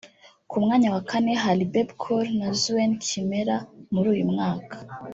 Ku mwanya wa kane hari Bebe Cool na Zuena Kimera; Muri uyu mwaka